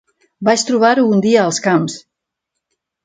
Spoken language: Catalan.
Vaig trobar-ho un dia als camps.